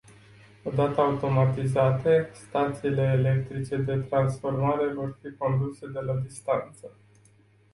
Odată automatizate, stațiile electrice de transformare vor fi conduse de la distanță.